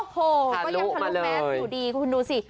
ก็ยังทะลุแมสต์อยู่ดีคุณดูสิ